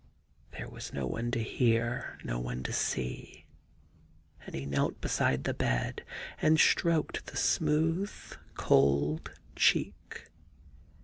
There was no one to hear, no one to see. And he knelt beside the bed and stroked the smooth cold cheek.